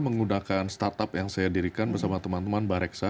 saya menggunakan startup yang saya dirikan bersama teman teman mbak reksa